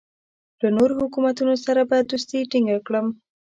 له نورو حکومتونو سره به دوستي ټینګه کړم.